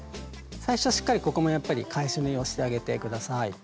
最初はしっかりここもやっぱり返し縫いをしてあげて下さい。